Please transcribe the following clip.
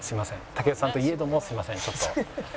竹内さんといえどもすいませんちょっと。